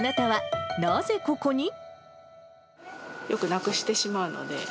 よくなくしてしまうので。